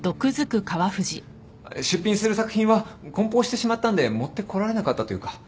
出品する作品は梱包してしまったんで持ってこられなかったというか。